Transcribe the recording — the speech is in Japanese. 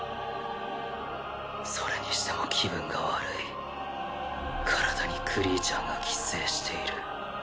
それにしても気分が悪い体にクリーチャーが寄生している